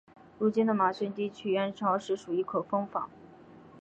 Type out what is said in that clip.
如今的马甸地区元朝时属于可封坊。